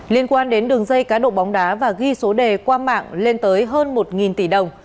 liên quan đến đường dây cá độ bóng đá và ghi số đề qua mạng lên tới hơn một tỷ đồng